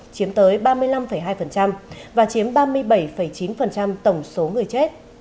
chiếm tới ba mươi năm hai và chiếm ba mươi bảy chín tổng số người chết